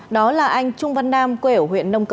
đó là anh trung văn nam quê ở huyện nông cống